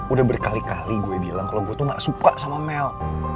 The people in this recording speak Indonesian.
udah berkali kali gue bilang kalau gue tuh gak suka sama mel